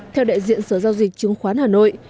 theo đại diện sở giao dịch chứng khoán hà nội